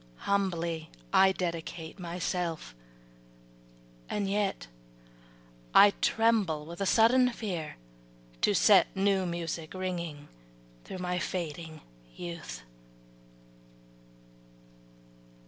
Humbly I dedicate myself, and yet I tremble with a sudden fear to set New music ringing through my fading youth.